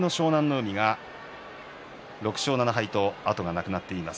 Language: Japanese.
海が６勝７敗と後がなくなっています。